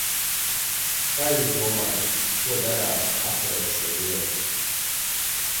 Kā jūs domājat, ko darāt, atverot šo lietu?